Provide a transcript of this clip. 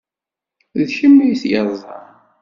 D kemm i t-yeṛẓan.